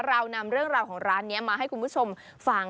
เรานำเรื่องราวของร้านนี้มาให้คุณผู้ชมฟัง